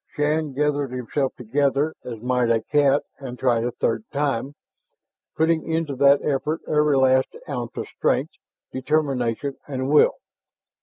Shann gathered himself together as might a cat and tried the third time, putting into that effort every last ounce of strength, determination and will.